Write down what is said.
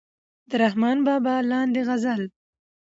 د رحمان بابا لاندې غزل